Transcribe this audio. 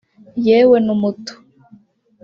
yewe n’umuto